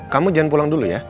kamu jangan pulang dulu ya